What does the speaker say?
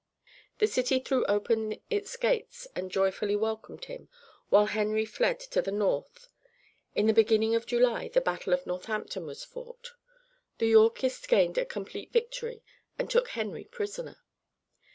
The city threw open its gates and joyfully welcomed him, while Henry fled to the north. In the beginning of July the battle of Northampton was fought. The Yorkists gained a complete victory, and took Henry prisoner.